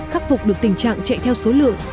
khắc phục được tình trạng chạy theo số lượng